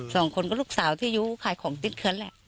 สองคนก็ลูกสาวที่อยู่ขายของติดเลือนแหละ